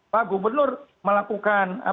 pak gubernur melakukan